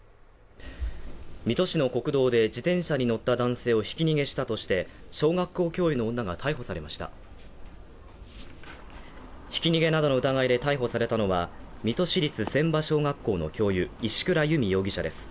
水戸市の国道で自転車に乗った男性をひき逃げしたとして、小学校教諭の女が逮捕されましたひき逃げなどの疑いで逮捕されたのは水戸市立千波小学校の教諭石倉由美容疑者です